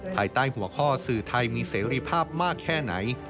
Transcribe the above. ภายใต้หัวข้อสื่อไทยมีเสรีภาพมากแค่ไหน